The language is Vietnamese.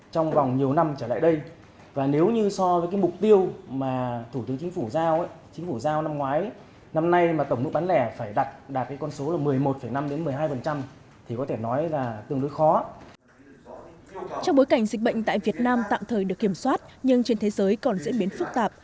trong bối cảnh dịch bệnh tại việt nam tạm thời được kiểm soát nhưng trên thế giới còn diễn biến phức tạp